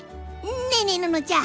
ねえねえののちゃん